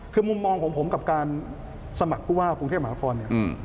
คือมุมมองของผมกับการสมัครกรุงเทพหมาละครเนี่ย